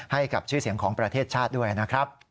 ให้กับชื่อเสียงของประเทศชาติด้วยนะครับ